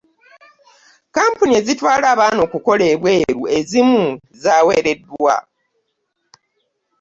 Kkampuni ezitwala abaana okukola ebweru ezimu zaawereddwa.